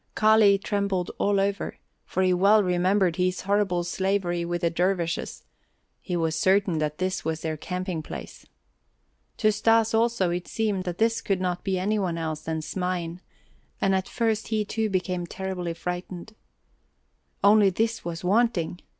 Kali trembled all over, for he well remembered his horrible slavery with the dervishes; he was certain that this was their camping place. To Stas, also, it seemed that this could not be any one else than Smain, and at first he too became terribly frightened. Only this was wanting!